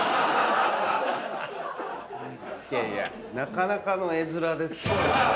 いやいやなかなかの絵面ですけど。